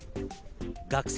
学生